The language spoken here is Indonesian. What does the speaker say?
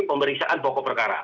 pemeriksaan pokok perkara